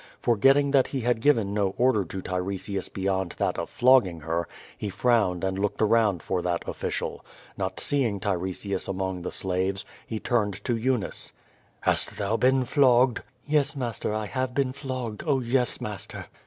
For getting that he had given no order to Tiresias beyond that of flogging her, he frowned and looked around for that official. Not seeing Tiresias among the salves, he turned to Eunice. "Hast thou been flogged?" ^TTes, master, I have been flogged. Oh, yes, master!'